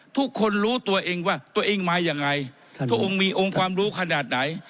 ทุกคนรู้ตัวเองว่าตัวเองมายังไงพระองค์มีองค์ความรู้ขนาดไหน